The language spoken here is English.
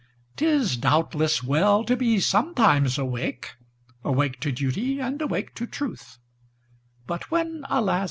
'T is, doubtless, well to be sometimes awake,—Awake to duty, and awake to truth,—But when, alas!